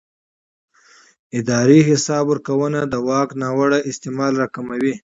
اداري حساب ورکونه د واک ناوړه استعمال راکموي